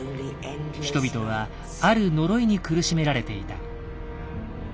人々はある「呪い」に苦しめられていた。